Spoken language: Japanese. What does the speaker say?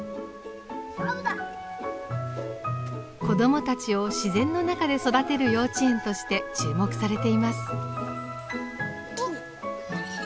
子どもたちを自然の中で育てる幼稚園として注目されています。